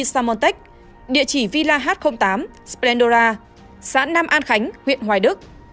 xamontech địa chỉ villa h tám splendora xã nam an khánh huyện hoài đức